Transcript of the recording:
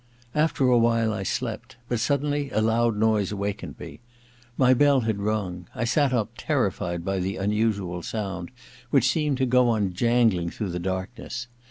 ... After a while I slept ; but suddenly a loud noise wakened me. My bell had rung. I sat up, terrified by the unusual sound, which seemed to go on jangling through the darkness.